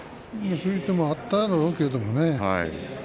そういう手もあっただろうけどね。